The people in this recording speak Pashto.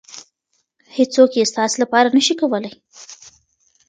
هېڅوک یې ستاسې لپاره نشي کولی.